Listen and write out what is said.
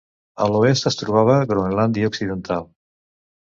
A l'oest es trobava Groenlàndia Occidental.